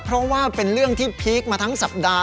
เพราะว่าเป็นเรื่องที่พีคมาทั้งสัปดาห